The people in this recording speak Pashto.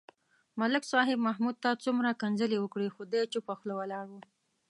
ملک صاحب محمود ته څومره کنځلې وکړې. خو دی چوپه خوله ولاړ و.